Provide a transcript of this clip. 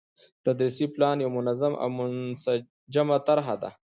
تدريسي پلان يو منظم او منسجمه طرحه ده،